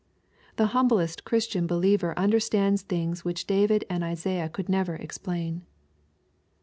The humblest Christian believer understands things which David and Isaiah could never explain.